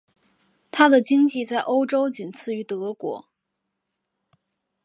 她的经济在欧洲仅次于德国。